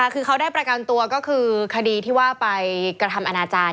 คือเขาได้ประกันตัวก็คือคดีที่ว่าไปกระทำอนาจารย์